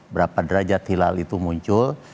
berapa derajat hilal itu muncul